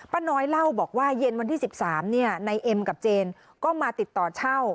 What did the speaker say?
น้อยเล่าบอกว่าเย็นวันที่๑๓นายเอ็มกับเจนก็มาติดต่อเช่า